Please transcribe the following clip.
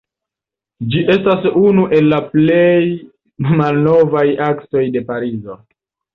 Ĝi estas unu el la plej malnovaj aksoj de Parizo.